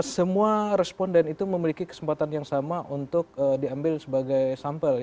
semua responden itu memiliki kesempatan yang sama untuk diambil sebagai sampel